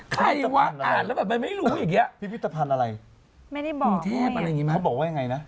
ใครวะอ่านแล้วแบบไม่รู้อย่างเงี้ย